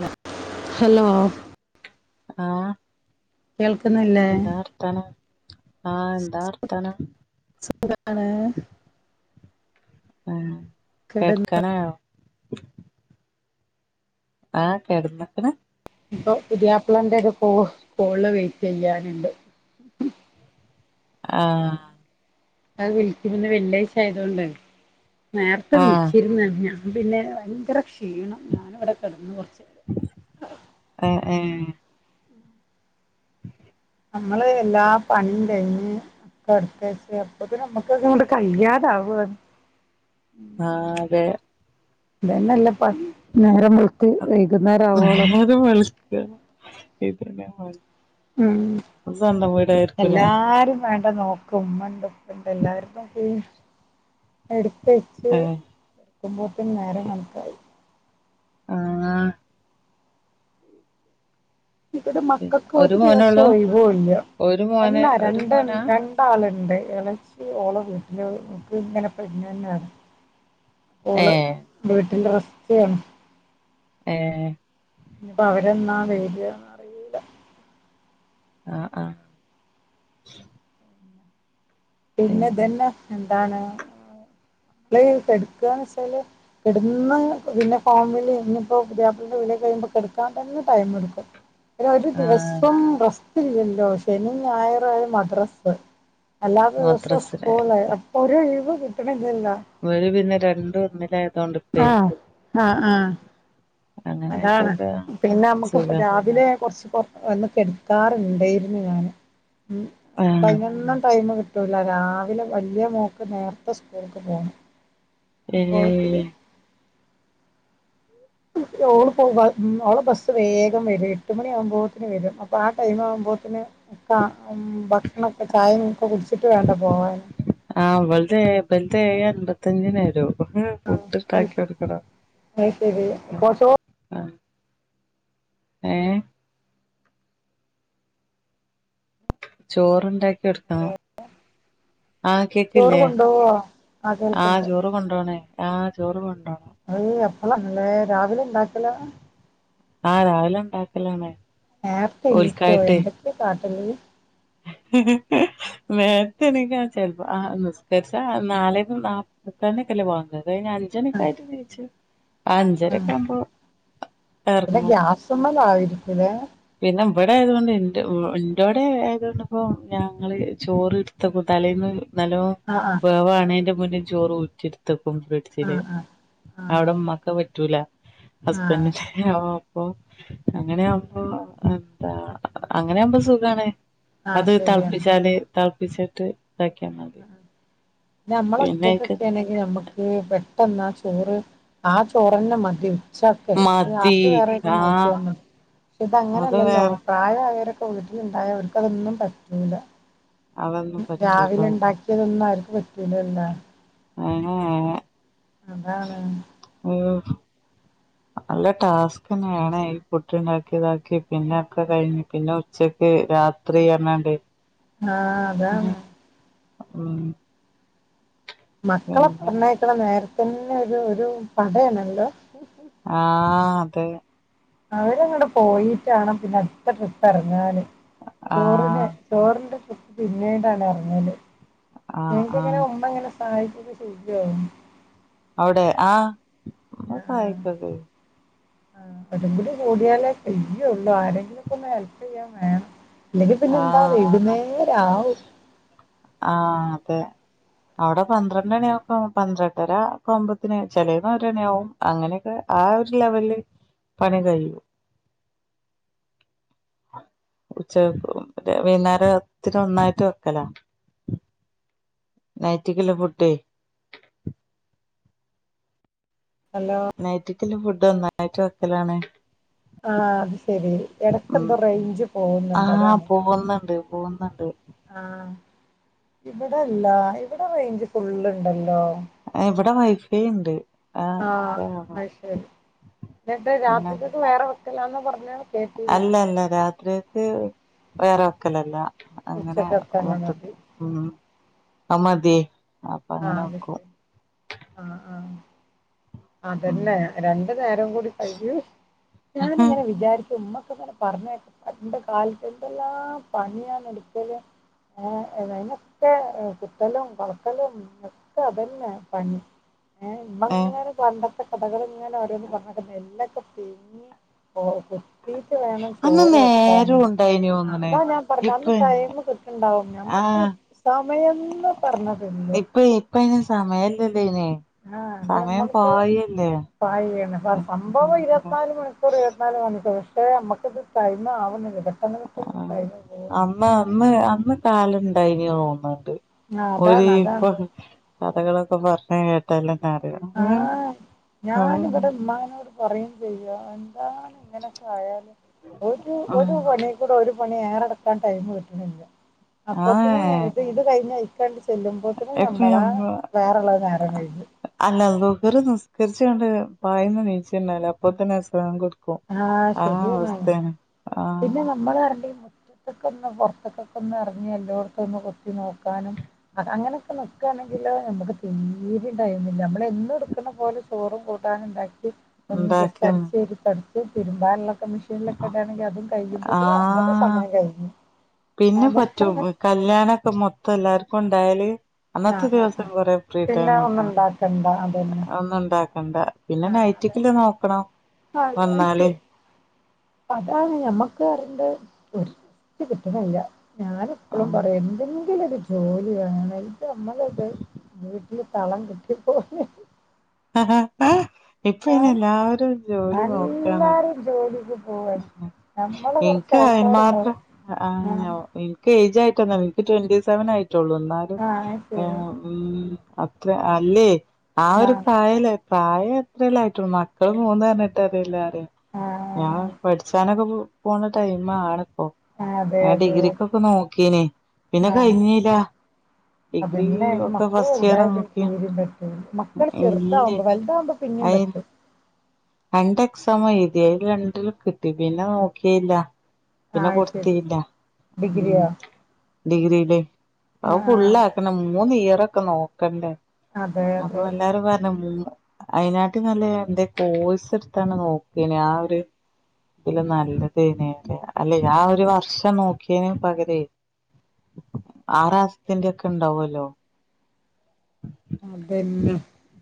Law hello ആഹ കേൾക്കുന്നില്ലേ ആഹ എന്താ ർത്താനം ആണ് ആ കിടന്ന് കേടക്കാന ആയോ ആഹ കെടന്നക്കണ് ഇപ്പൊ പുതിയാപ്പ്ളന്റെ ഒരു കോള് വെയിറ്റ് ചെയ്യാനുണ്ട് ആഹ അത് വിളിക്കുന്ന വെള്ളിയാഴ്ച ആയതൊണ്ട് നേരത്തെ ആഹ് വിളിച്ചിരുന്ന ഞാൻ പിന്നെ ഭയങ്കര ക്ഷീണം ഞൻവിടെ കിടന്ന് കുറച്ച നേരം ഉ നമ്മള് എല്ലാ പണിയും കഴിഞ്ഞ് കടുത്തച്ചേ അപ്പത് നമ്മുക്ക് കൊൊണ്ട് കഴിയാതാവന്ന് ആഹ അതെ അതന്നെല്ലപ്പ നേരം വെളു ന്നത് ഇതെന്നെ പണി ഉം സ്വന്തം വീടായിരിക്കുലേ എല്ലാരും വേ എടെ നോക്കും ഉമ്മ ഉണ്ട് ഉപ്പ ഇണ്ട് എല്ലാരേം നോ എടുത്തെച്ച് ഏഹ് കെടുക്കുമ്പോഴത്തേും നേരെ കണക്കായി ആഹ ഇവിടെ മക്കൾക്ക് ഒരു ദിവസം ഒഴിവല്ല ഒരു മോന് അല്ല ഒരു രണ്ട് മോനാ രണ്ടാളുണ്ട് ഇളച്ചി ഓള വീട്ടില്ക്ക് ഇങ്ങനെ പ്രഗ്നന്റാണ് പോഓള് ഏഹ് വീട്ടില റസറ്റയാണ് ഏ ഇനിപ്പോ അവര എന്നാ വരിയാന്ന അറിയില്ല ആഹ് ആഹ പിന്നെ ഇതന്നെ എന്താണ് നമ്മള കെടുക്കുകന്ന് വെച്ചാല് കടന്ന് പിന്നെ ഫോൺ വിളി ഇന്നയിപ്പോ പുത്യാപളെന്റെ വിളി കഴിയുമ്പോ തന്നെ കെടക്കാൻ തന്നെ ടൈം എടുക്കും അതിന്ഒരു ആഹ് ദിവസം റസ്റ്റ്ല്ലല്ലോ ശനി ഞായറ ആ മദ്രാസ് അല്ലാ ദിവസവും മദ്രസില് സ്കൂള് അപ്പൊ ഒരു ലീവ് കിട്ടണില്ലില്ല അവരു പിന്നെ രണ്ട ഒന്നില ആഹ ആഹ ആഹ അങ്ങനെ അതാണ് ആയതോണ്ട് പിന്നെ നമ്മുക്ക്പ്പ സുഖാ രാവിലെ കുറച്ച് ഒന്ന് കെടുക്കാറുണ്ടായിരുന്നു ഞൻ ഇപ്പ ആഹ് അതിനൊന്നും ടൈമ കിട്ട കിട്ടുല്ല രാവിലെ വലിയ മോക്ക് നേർത്തെ സ്കൂൾക്ക് പോണം ഉം അപ്പോത്തിന് [inaudible] ഓള് പോ അവഓള് ബസ്സ് വേഗം വരും എട്ട് മണിയ ആകുമ്പന് വരും അപ്പൊ ആ ടൈം ആവുമ്പ ബോത്തിന് ഒക്ക ഉം ഭക്ഷണൊക്കെ ചായെം ഒക്കെ കുടിച്ചിട്ട് വേണ്ടേ പോകാന് അവൾതെ ബൽതെ അമ്പത്തഞ്ചിനെരു ഫുഡ് ഇടണ്ടാക്കി അത് കൊടുക്കണം ശരി കൊ ചോ ആഹ് ഏഹ് ചോറുണ്ടാക്കി എടുക്കണം ആഹ് ചോറ് കേക്കില്ലേ കൊണ്ടോവോ ആ ആഹ് കേൾക്ക്ണ്ട് ചോറ് കൊണ്ടോണേ ആഹ് ചോറ് കൊണ്ടോണ അഔ അപ്പളാണല്ലേ രാവിലെ ഉണ്ടാക്കലാ ആഹ് രാവിലെ ഉണ്ടാക്കലാണ് നേരത്തെ എണീക്കോ എന്തൊക്കെയാ കാട്ടല് നേരത്തെ എണിക്കാ ചെലപ്പോ ആഹ് നിസ്കരിച്ച നാലെന്നും നാ എട്ടണിക്കല്ലേ വാങ്ക് അത് കഴിഞ്ഞ ആ അഞ്ചണിക്കായിട്ട് ണീച്ചു ആ അഞ്ചരെക്കാമ്പോ പിന്നെ ഗ്യാസമ്മലാ വിരിക്കിതെ പിന്നെ ഇവിടെ ആയതുകൊണ്ട് ഇന്റെ ഓഹ് ഇന്റോടെ ആയതുകൊണ്ട് ഇപ്പൊ ഞങ്ങള് ചോറ് ഇടത്ത് വെക്കും തലേന്ന് നല്ലോ ആ ആ വേവാണെന്റെ മുന്നെ ചോറ് ഊറ്റിയെടുത്ത് ക്കും ആ ഫ്രിഡ്ജ്ല് ആ ആ അവിടെ അതെ ഉമ്മാക്ക് അഹ് പറ്റൂല ആ ഹസ്ബൻന്റിന്റെ ഓ അപ്പൊ അങ്ങനെയാവുമ്പോ എന്താ അങ്ങനെ ആവുമ്പോ സുഖാണ് ആ അത് ശരിയാണ് തള്പ്പിച്ചാല് തളപ്പിച്ചിട്ട് നമ്മള് പിന്നെ അയ്ക്ക് ഒറ്റക്കൊക്കേണെങ്കി നമ്മുക്ക് പറ്റ് പെട്ടെന്ന ആ ചോറ് ആ ചോറന്നെ മതി ഇട്സ് ഒക്കെ ഇത് മതി രാത്രി വേറേയ്ക്കെ ആഹ് നോക്കിയാൽ മതി ഫുഡ്‌ അത് അങ്ങനെല്ലല്ലോ വേറെ പ്രായ ആയവരെക്ക്‌ വീട്ടില് ഉണ്ടായ അവർക്ക് അതൊന്നും പറ്റൂല അതൊന്നും പറ്റൂല രാവിലെ ഉണ്ടാക്കിയതൊന്നും അവര്ക്ക് പറ്റൂലല്ലേ ആഹ് [inaudible] അതാണ് നല്ല ടാസ്ക് തന്നെയാണ് ഈ പുട്ട്ണ്ടാക്കി ഇതാക്കി പിന്നെ ഒക്കെ കഴിഞ്ഞ് പിന്നെ ഉച്ചക്ക് രാത്രി അർണാണ്ട് ആഹ് അതാണ് ഉം മക്കളെ പിന്നെ പറഞ്ഞയക്കണ നേരത്തന്നെ ഒരു ഒരു പടയാണല്ലോ ആഹ് അതെ അവരങ്ങട് പോയിട്ടാണ് പിന്നെ അടുത്ത ട്രിപ്പ് എറങ്ങാന് ചോറിന് ആഹ് ചോറിന്റെ ട്രിപ്പ്‌ പിന്നീടാണ് ഇറങ്ങല് ആഹ് നിങ്ങക്കെങ്ങനെ ആഹ് ഉമ്മ എങ്ങനെ സഹായിക്കുവൊക്കെ ചെയ്യൂ അവിടെ ആഹ് ഉമ്മ ആഹ് സഹായിക്കൊക്കെ ചെയ്യും ആഹ് കടിംപടി കൂടിയാലേ ചെയ്യുള്ളൂ ആരെങ്കിലും ഒക്കെ ഒന്ന് ഹെല്പ് ചെയ്യാൻ വേണം ഇല്ലെങ്കി പിന്നെ എന്താ ആഹ് വൈകുന്നേരാകും ആഹ് അതെ അവിടെ പന്ത്രണ്ടണിയാപ്പം പന്ത്രണ്ടര ആപത്തിന് ചെലേന്ന് ഒരണിയാകും അങ്ങനെക്കെ ആ ഒരു ലെവൽല് പണി കഴിയും ഉച്ച പ് പറ്റെ വൈകുന്നേരത്തിന് ഒന്നായിട്ട് വെക്കല നൈറ്റിക്കല്ല പൊട്യേ [inaudible] ഹലോ ത്ത്ല് ഫുഡ് ഒന്നായിട്ടു വെക്കലാണ് ആഹ് അത് ശെരി എടക്ക്‌ ഉം എന്തോ റേഞ്ച് പോകുന്നുണ്ട് ആഹ് അതാണ് പോകുന്നുണ്ട് പോകുന്നുണ്ട് ആഹ് ഇവിടെല്ല ഇവിടെ റേഞ്ച് ഫുള്ളുണ്ടല്ലോ ഇവിടെ വൈഫൈയ്ണ്ട് ആഹ് അയ്ശരി എന്നിട്ട് പിന്നെ രാത്രിക്കക്ക് വേറെ വെക്കലാന്ന പറഞ്ഞ് അല്ല അല്ല രാത്രിയക്ക് വേറെ വെക്കലല്ല. അങ്ങനെ ഉച്ചക്കത്തന്നെ മതി. മൊത്തത്തിൽ ഉം അത് മതിയേ. ആഹ് അപ്പൊ അത് ശ- ആ, അങ്ങനെ അത് വെക്കും. ശരി ആഹ് ആഹ് ഉം അതന്നെ രണ്ടു നേരം കൂടി കഴിയും ഞാനിങ്ങനെ വിചാരിക്കും ഉമ്മ നെ [unintelligible] പണ്ട് കാലത്ത് എന്തെല്ലാം പണിയാന്ന് എടുത്തത്. ഏഹ് അതിനൊക്കെ കുത്തലും കളക്കലും ഒക്കെ അതന്നെ പണി. ഏഹ് ഏഹ് ഇമ്മങ്ങനെ ത്തെ കഥകൾ ഇങ്ങനെ ഓരോന്ന് പറഞ്ഞ് നെല്ലൊക്കെ [unintelligible] കുത്തിട്ട് വേണം അന്ന് ചോറ് വെക്കാന്. നേരം ഉണ്ടായിനി തോന്ന്ണ് അതാ ഞാൻ പറഞ്ഞ ഇപ്പ അന്ന് ടൈം കിട്ടണ്ടാവും ഞമ്മക്ക് ആഹ് സമയംന്ന് പറഞ്ഞതില്ല. ഇപ്പയിന് സമയല്ലല്ലേ അയിന് സമയം പായല്ലേ. പായാണ്. സംഭവം എന്താ ഇരുപത്തിനാല് മണിക്കൂർ ഇരുപത്തിനാല് മണിക്കൂർ നമ്മുക്കത് ടൈം ആവുന്നില്ല. പെട്ട ആ അന്ന് അന്ന് അന്ന് കാലണ്ടായിനി തോന്നുണ്ട്. ആ ഒരു അതാണ് അതാണ് കഥകളൊക്കെ പറഞ്ഞ് കേട്ടാലും ആഹ് ഞാനിവിടെ ഇമ്മാനോട് പറയും ചെയ എന്താ ഇങ്ങനെയൊക്കെ ആയാല് ഒരു ഒരു ആഹ് പണി കൂടെ ഒരു പണി ഏറെട്ക്കാൻ ടൈം കിട്ട്ണില്ല. അപ്പത്തിന് ആഹ് ഇത് കഴിഞ്ഞ ചെല്ലുമ്പോത്തിന് ഇപ്പ ഞമ്മളെ നമ്മ വേറെള്ളത് നേരം കഴിഞ്ഞു. ളുഹർ നിസ്കരിച്ച്ങ്ങട്ട് പായിന്ന് നീച്ച് കഴിഞ്ഞാല് അപ്പത്തിന് അസർ ബാങ്ക് കൊടുക്കും. ആഹ് ആ ശരിയാണ്. അവസ്ഥയാണ് പിന്നെ ആഹ് നമ്മള് [unintelligible] എടക്കൊന്ന് പുറത്തക്കൊക്കെ ഒന്ന് ഇറങ്ങി എല്ലാട്ത്തും ഒന്ന് കൊത്തി നോക്കാനും അങ്ങനൊക്കെ നിക്കാണ [unintelligible] നമ്മക്ക തീരെ ഇണ്ടായിരുന്നില്ല. എന്നും ഇട്ക്ക്ണ പോലെ ചോറും കൂട്ടാനും ഇണ്ടാക്കീട്ട് ഒന്ന് ജസ്റ്റ് ഉണ്ടാക്കിന്ന് അടിച്ചോരി തൊട ച്ച് തിരുമ്പാന്ള്ളൊക്കെ മെഷീനിലൊക്കെ ഇടാണെങ്കി അതും കഴിയുമ്പത്തിന് അന്നത്തെ ആഹ് സമയം കഴിഞ്ഞു. പിന്നെ അതാ പറ്റും കല്യാണൊക്കെ മൊത്തം എല്ലാർക്കും ഉണ്ടായാല് ആ അന്നത്തെ ആ ആ ദിവസം കൊറെ ഫ്രീ പിന്നെ ടൈം ഒന്നും കിട്ടും. ഉണ്ടാക്കണ്ട അതന്നെ ഒന്നും ഇണ്ടാക്കണ്ട പിന്നെ ആ നൈറ്റിക്ക്ല്ല നോക്കണം അതെ വന്നാല് [unintelligible] അതാണ് ഞമ്മക്ക് [unintelligible] ഒരിറ്റ് കിട്ട്ണില്ല. ഞാനെപ്പളും പറയും എന്തെങ്കിലും ഒരു ജോലി വേണം ഇത് ഞമ്മള് ഇത് വീട്ട് ട്ടില് തളം കെട്ടിയ പോലെ. ഹാ ഹാ ഇപ്പയ്ന് ഞാൻ എല്ലാരും ജോലി നോക്കാണ്. എല്ലാരും ജോലിക്ക് പോവാണ്. നമ്മള് കൊറച്ച് ഇൻക്ക് അയ്ന് ആൾക്കാരുണ്ടാവും മാത്രം ആ ആഹ് ഇൻക് എജ് ആയിട്ടൊന്നും അല്ല. ഇൻക്ക് ട്വന്റി സെവൻ ആയിട്ടുള്ളൂ. എന്നാലും ആഹ് അത് ശരി. ഏഹ് ഉം. അത്ര അല്ലേ ആ ഒരു ആഹ് പ്രായല്ലെ പ്രായം അത്രല്ലായിട്ടുള്ള് മക്കള് മൂന്ന് പറഞ്ഞിട്ട് കാര്യല്ല. ഞാ ആഹ് പഠിച്ചാനൊക്കെ പോണ ടൈം ആണ്. ഓഹ് അതെ ഞാൻ അതെ ഡിഗ്രിക്കൊക്കെ നോക്കീന് പിന്നെ ആഹ് കഴിഞ്ഞീല്ല. അതന്നെ മക്കള് കൂടെയായ പിന്നെ നോക്കി തീരീം പറ്റൂല. മക്കള് ഇല്ലേ ചെറുതാവുമ്പോ വലുതാവുമ്പൊ പിന്നെ പിന്നേം അയി പറ്റും. രണ്ട് എക്സാമും എഴുതി അയില് രണ്ടിലും കിട്ടി പിന്നെ നോക്കില്ല. പിന്നെ ആഹ് അത് ശരി. കൊടുത്തിയില്ല. ഉം ഡിഗ്രിയോ? ഡിഗ്രിലെയ് അത് ആഹ് ഫുള്ളാക്കണം. മൂന്ന് ഇയർ റൊക്കെ നോക്കണ്ടേ. അതെ അതെ അപ്പൊ എല്ലാരും പറഞ്ഞു അയിനാട്ടിലും നല്ലത് എന്തേ കോഴസ് എടുത്താണ് നോക്കേനു ആ ഒരു ഇതിലും നല്ലതേനേ. അല്ല ആ ഒരു വർഷം നോക്കീന് പകരെയ് ആറ് മാസത്തിന്റെ ഒക്കെ ഉണ്ടാവോല്ലോ. അതന്നെ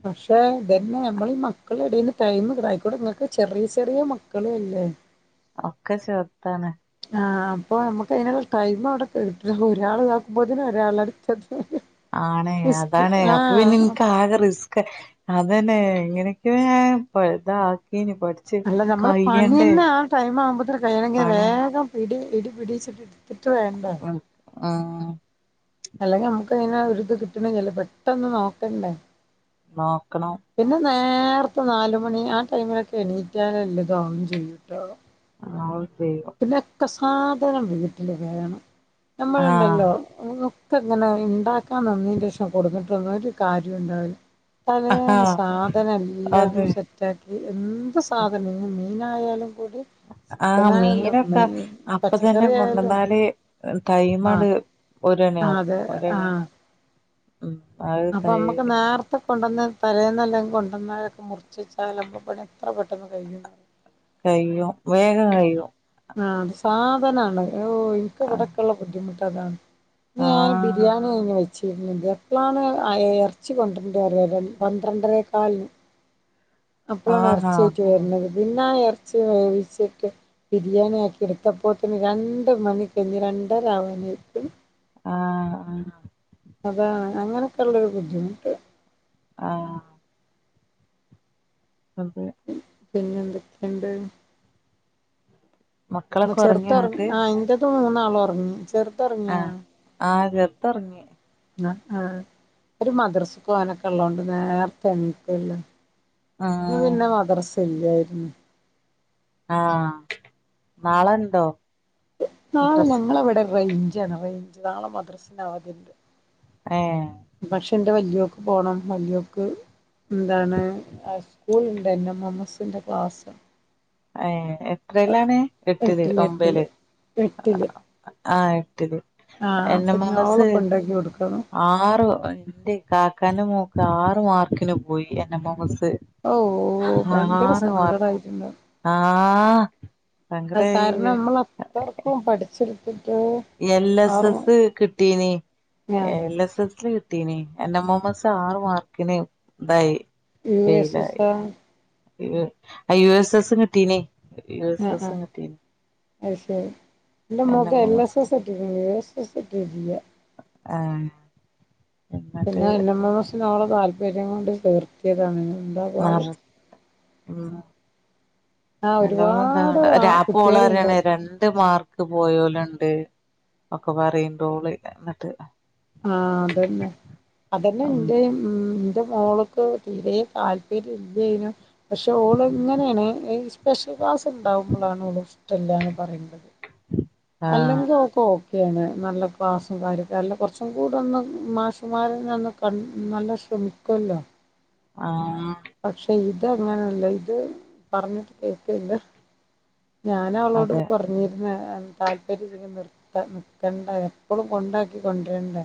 പക്ഷെ തന്നെ നമ്മൾ മക്കള എടേന്ന് ടൈ അയ്ക്കോടെ നിങ്ങക്ക് ചെറിയ ചെറിയ മക്കള അല്ലേ ഒക്കെ ചെർതാണ് ആഹ് അപ്പൊ നമുക്ക് അതിനുള്ള ടൈം അവിടെ കിട്ട ഒരാൾ കോക്കുമ്പോന് ഒരാൾ അട ആണേ അതാണേ അപ്പൊ പിന്നെ ആഹ് നിനക്ക് ആകെ റിസ് അതന്നെ എങ്ങനെയൊക്കെയ ഞാൻ പഴുത അല്ല നമ്മള് പണി തന്നെ ആ ടൈം ആവുമ്പോത് കഴിയണെങ്കിൽ പണി വേഗം പിടി ഇടി പിടിച്ചിട്ട് കിട്ട വേണ്ടേ ആഹ് അല്ലെങ്കി നമ്മുക്കതിനെ ഒരു ഇത് കിട്ടണ ചില പെട്ടന്ന് നോക്കണ്ടേ നോക്കണം പിന്നെ നേരത്തെ നാലുമണി ആ ടൈമിലൊക്കെ എണീറ്റാൽല്ലുതാവും ചെയ്യൂട്ടോ ആ പിന്നൊക്കെ സാധനം വീട്ടില് വേണം ആഹ് നമ്മളുണ്ടല്ലോ ഇങ്ങനെ ഉണ്ടാക്കാൻ നന്നിന്റെ ശേഷം കൊടുത്തിട്ടന്ന ഒരു കാര്യ ഉണ്ടാവില്ല തലേന്ന് ആഹ് സാധനം എല്ലാതും അതെ സെറ്റ ആക്കി എന്ത് സാധന ആയാലും കൂടി സിക്കന അനൊക്കെ അപ്പതന്നെ കൊണ്ടുവന്നാല് ടൈ ആഹ് ഒരണ്യാവും അതെ ഒരണ ആഹ് ഉം അത് അപ്പൊ കൈ നമ്മുക്ക് നേരത്തെ കൊണ്ടുവന്ന് തലേന്നല്ലെങ്കും കൊണ്ടുവന്നരൊക്കെ മുറിച്ചച്ചാല്മ് പണി എത്ര പെട്ടെന്ന് കഴിഞ്ഞ കയും വേഗം കഴിയും ആഹ് അത് സാധനാണ് ഇനിക്ക് ആഹ് ഇവിടക്കുള്ള ബുദ്ധിമുട്ട് അതാണ് ഞാൻ ആഹ് ബിരിയാണി കഴിഞ് വെച്ചു എപ്പോഴാണ് ഇറച്ച കൊണ്ടിണ്ട് വ പന്ത്രണ്ടരക്കാലിന് ഉ അപ്പോളാണ് ഇറച്ചിയിയിട്ട് വരുന്നത് പിന്നെ ആ ഇറച്ചി വേവിച്ച് ബിരിയാണി ആക്കി എടുത്ത പോത്തിന് രണ്ട് മണി കഴഞ്ഞഞ് രണ്ട് ആഹ് ആഹ് അതാണ് അങ്ങനൊക്കെ ഉള്ളൊരു ബുദ്ധിമുട്ട് ആഹ് ആഹ് പിന്നെ എന്തൊക്കെയുണ്ട്? മക്കളൊക്കെ ഒറങ്ങിയോ ചെറുത് ന്നട്ട് ആ അതിന്റേത് മൂന്നാളും ഉറങ്ങി ചെറ ആഹ് ആഹ് ചെറത് ഉറങ്ങി ആ ഒരു മദ്രസക്കാനൊക്കെ ഉള്ളതോണ്ട് നേർതെണീക്കല്ലോ ന ആഹ് പിന്നെ മദ്രസ ഇല്ലായിരുന്നു ആഹ് നാളെ എന്തോ നാളെ ഞങ്ങളെവിടെ റേഞ്ചാണ് റേഞ്ച് നാളെ മദ്രസിനവതിണ്ട് ആഹ് പക്ഷണ്ട് വല്യോക്ക് പോകണം വല്യോക്ക് എന്താണ് സ്കൂൾ ഉണ്ട് എൻ എം മ്മസിന്റെ ക്ലാസ് എത്രയിലാണ് എട്ടില് ഒമ്പല് എട്ടില് ആ ആഹ് എൻ അപ്പൊ എമമസ് ഞാളെ കൊണ്ടാക്കി കൊടുക്കണം ആറ് എന്റെ കാക്കാന്റെ മോ ഏറ് മാർക്കിന് പോയി എൻ എം എം മ്മ സ് ഓ ഭയങ്കര ആറ് മാർക്ക് സങ്കടായിട്ടുണ്ട് ആഹ് സങ്കട! അത് കാരണം നമ്മൾ അത്രക്കും പഠിച്ചെടുത്തിട്ട് എൽ എസ് ആറും എസ് കിട്ടീനി ആഹ് എൽ എസ് എസ് ക എൻ എൻ മ്മമ്മസ് ആറ് മാർക്കിന് ഇതായി യു എസ് ഫെയിലായി എസോ യു എസ് എസ് കിട്ടീഞ്ഞി യൂ എസ് എസ് കിട്ടീ [unintelligible] ന്റെ മോൾക്ക് എം എൽ എസ് സെ സ്സ് കിട്ടിന് ആ പിന്നെ എൻ എം എം എസ് ഓൾ താല്പര്യം കൊണ്ട് ചേർത്തിയതാണ് ന്താപാട് [unintelligible] ആ ഒരുപാട് ആ [unintelligible] അപ്പൊ ഓള് കുട്ടികളുണ്ട് പറയണേ രണ്ട് മാർ പോയോല്ണ്ട് ഒക്കെ പറയ്ണ്ടോള് എന്നിട്ട് ആ അതഞ്ഞെ അതഞ്ഞെ ഉം ന്റിം ന്റെ മോള്ക്ക് തീരേ താല്പര്യം ല്ലിയെഞ്ഞും പക്ഷെ ഓള് ഉം ങ്ങഞ്ഞേണ് പെഷല് ക്ലാസ് ണ്ടാവുബ്ലാണ് [unintelligible] പറയണ്ടുന്നത് ആഹ് അല്ലെങ്കി ഓൾ ക്കെണ് നല്ല ക്ലാസും കാര്യൊക്കെല്ലാം കുറച്ചും കൂടെ ന്ന് മാശ് മാരിൽ നിന്നും [unintelligible] ആ പക്ഷെ ഇത് അങ്ങനെല്ല ഇത് പറഞ്ഞിട്ട് കേക്ക്ല്ലാ ഞാൻ അവളോട് അതെ പറഞ്ഞിരുന്ന് താല്പര്യം [unintelligible] നിക്കണ്ട എപ്ളും കൊണ്ടാക്കി കൊണ്ടരണ്ടേ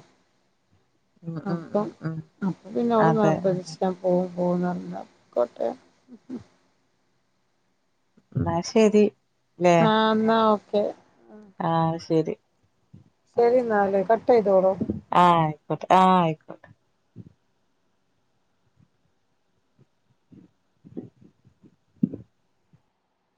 ഉം ഉം അപ്പൊ ഉം ഉം അപ്പൊ പിന്നെ ഓൾ അതെ നിർബന്ധിച്ചപ്പോ [unintelligible] ന്നാ ശെരി ആ ന്നാ ഓക്കെ ആ ശെരി ശരി ന്നാല് കട്ട്യ്തോളു ആ ആയിക്കോട്ടെ